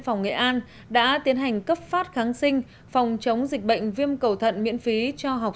phòng nghệ an đã tiến hành cấp phát kháng sinh phòng chống dịch bệnh viêm cầu thận miễn phí cho học